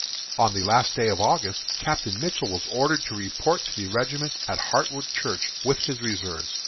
On the last day of August, Captain Mitchell was ordered to report to the regiment at Hartwood Church, with his reserves.